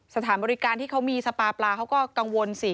สถานบริการที่เขามีสปาปลาเขาก็กังวลสิ